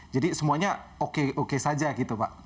jadi semuanya oke oke saja gitu pak